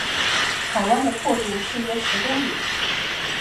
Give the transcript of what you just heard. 海湾的阔度是约十公里。